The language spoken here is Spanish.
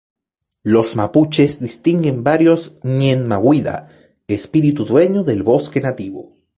Los Mapuches distinguen varios Ngen-mawida, espíritu dueño del bosque nativo.